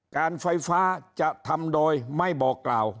การไฟฟ้าจะทำโดยไม่บอกกล่าว